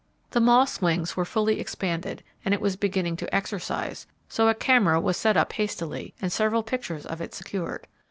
The moth's wings were fully expanded, and it was beginning to exercise, so a camera was set up hastily, and several pictures of it secured.